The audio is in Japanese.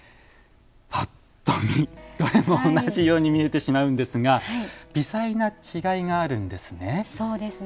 ぱっと見、どれも同じように見えてしまいますが微細な違いがあるんですね。